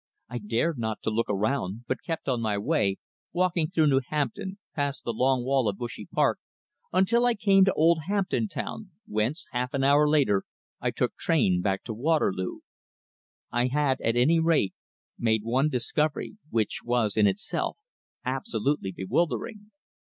I dared not to look around again, but kept on my way, walking through New Hampton, past the long wall of Bushey Park, until I came to Old Hampton town, whence, half an hour later, I took train back to Waterloo. I had, at any rate, made one discovery, which was in itself absolutely bewildering.